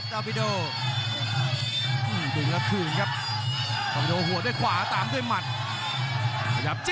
ล๊อคไนท์พยายามจะตี